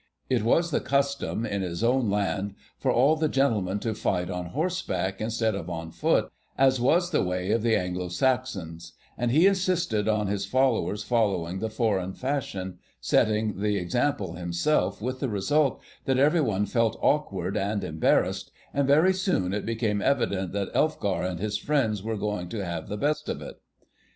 It was the custom, in his own land, for all the gentlemen to fight on horseback, instead of on foot, as was the way of the Anglo Saxons, and he insisted on his followers following the foreign fashion, setting the example himself, with the result that everyone felt awkward and embarrassed, and very soon it became evident that Elfgar and his friends were going to have the best of it.